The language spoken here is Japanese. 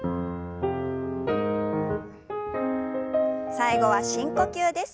最後は深呼吸です。